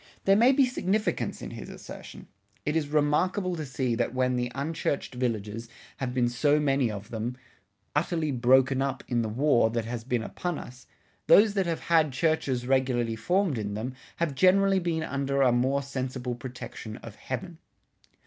There may be significance in his assertion: "It is remarkable to see that when the Unchurched Villages, have been so many of them, utterly broken up, in the War, that has been upon us, those that have had Churches regularly formed in them, have generally been under a more sensible Protection of Heaven."